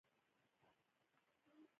ژمی د افغان ماشومانو د لوبو موضوع ده.